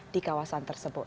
di kawasan tersebut